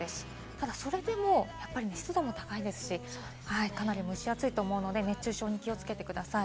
ただそれでもやっぱり湿度も高いですし、かなり蒸し暑いと思うので熱中症に気をつけてください。